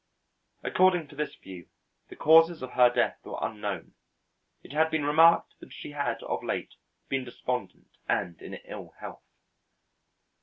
According to this view, the causes of her death were unknown. It had been remarked that she had of late been despondent and in ill health.